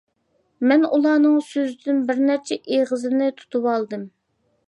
مەن ئۇلارنىڭ سۆزىدىن بىر نەچچە ئېغىزىنى تۇتۇۋالدىم.